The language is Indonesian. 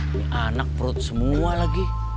ini anak perut semua lagi